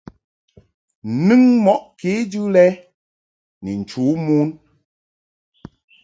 Nɨŋ mɔʼ kejɨ lɛ ni nchu mon.